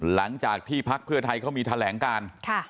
หลังจากที่พักเพื่อไทยเขามีแถลงการ